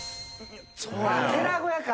寺子屋か！